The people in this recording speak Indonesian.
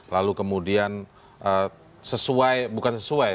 lalu kemudian sesuai bukan sesuai